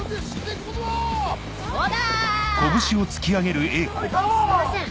そうだ！